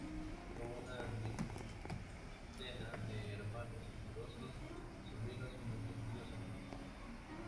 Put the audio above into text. Tuvo una veintena de hermanos y numerosos sobrinos, muchos de ellos artistas.